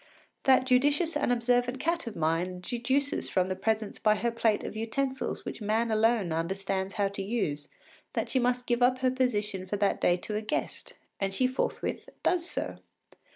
That judicious and observant cat of mine deduces from the presence by her plate of utensils which man alone understands how to use that she must give up her position for that day to a guest, and she forthwith does so.